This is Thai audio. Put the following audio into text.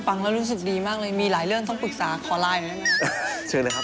พังเล่าลูกศึกดีมากเลย